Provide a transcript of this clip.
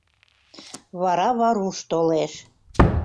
Вара Варуш толеш.